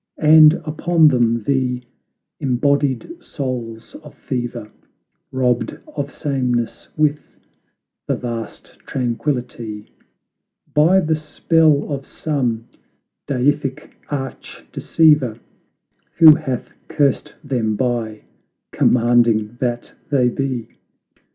And upon them the embodied souls of fever, Robbed of sameness with the vast Tranquility, By the spell of some deific arch deceiver, Who hath cursed them by commanding that they be!